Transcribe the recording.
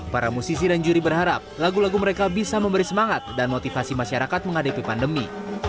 para musisi dan juri berharap lagu lagu mereka bisa memberi semangat dan motivasi masyarakat menghadapi pandemi